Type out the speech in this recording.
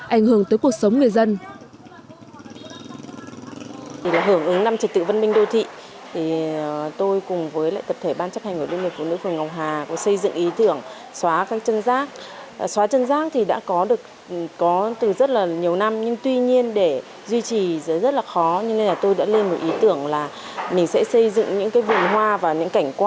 ảnh hưởng tới cuộc sống người dân